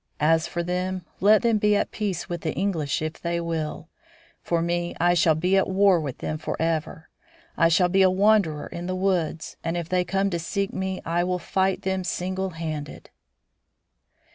As for them, let them be at peace with the English if they will; for me, I shall be at war with them forever. I shall be a wanderer in the woods, and if they come to seek me I will fight them single handed."